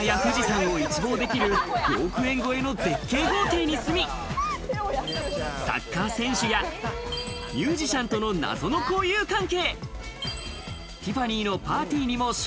江の島や富士山を一望できる５億円超えの絶景豪邸に住み、サッカー選手やミュージシャンとの謎の交友関係。